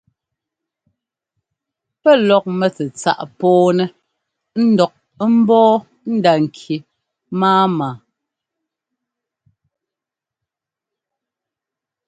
Pɛ́ lɔk mɛtsɛ́tsáꞌ pɔ́ɔnɛ́ ńdɔk ḿbɔ́ɔ nda-ŋki máama.